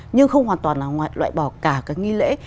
nhưng không hoàn toàn là loại bỏ cả các nghi lễ